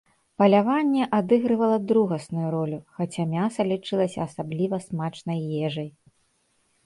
Паляванне адыгрывала другасную ролю, хаця мяса лічылася асабліва смачнай ежай.